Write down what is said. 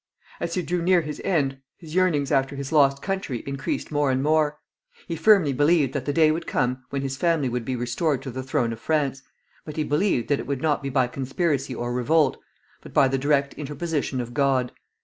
As he drew near his end, his yearnings after his lost country increased more and more. He firmly believed that the day would come when his family would be restored to the throne of France, but he believed that it would not be by conspiracy or revolt, but by the direct interposition of God.